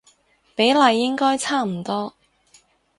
比例應該差唔多